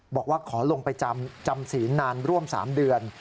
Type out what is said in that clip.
บอกว่าขอลงไปจำศีลนานร่วม๓เดือน